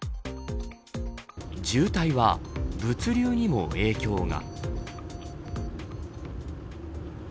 渋滞は物流にも影響が。